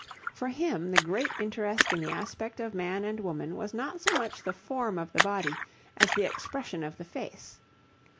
For him the great interest in the aspect of man and woman was not so much the form of the body as the expression of the face.